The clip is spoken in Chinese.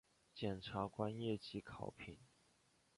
检察官业绩考评